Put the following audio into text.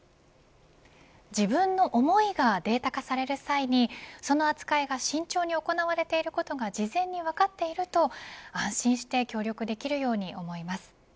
自分の思いがデータ化される際にその扱いが慎重に行われていることが事前に分かっていると安心して協力できるように思います。